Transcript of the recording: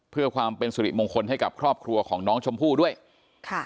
เพื่อความเป็นสิริมงคลให้กับครอบครัวของน้องชมพู่ด้วยค่ะ